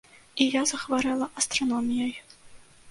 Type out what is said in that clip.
І я захварэла астраноміяй.